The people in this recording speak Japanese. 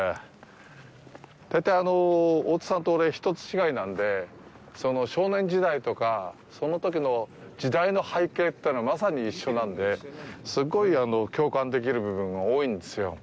大体、大津さんと俺１つ違いなんで、少年時代とか、そのときの時代の背景というのは、まさに一緒なんですごい共感できる部分が多いんですよ。